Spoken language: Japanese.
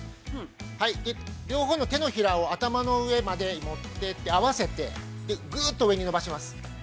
両方の手のひらを頭の上まで持っていって合わせて、ぐうっと上に伸ばします。